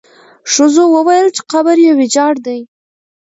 ښځو وویل چې قبر یې ویجاړ دی.